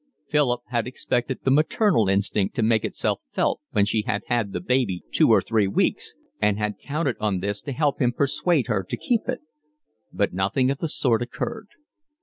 Philip had expected the maternal instinct to make itself felt when she had had the baby two or three weeks and had counted on this to help him persuade her to keep it; but nothing of the sort occurred.